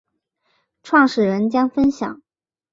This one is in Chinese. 创办人将分享